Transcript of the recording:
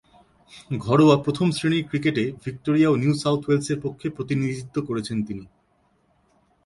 ঘরোয়া প্রথম-শ্রেণীর ক্রিকেটে ভিক্টোরিয়া ও নিউ সাউথ ওয়েলসের পক্ষে প্রতিনিধিত্ব করেছেন তিনি।